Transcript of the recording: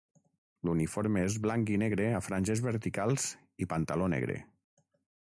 L'uniforme és blanc i negre a franges verticals i pantaló negre.